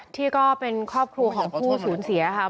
ที่ก็เป็นครอบครัวของผู้สูญเสียค่ะ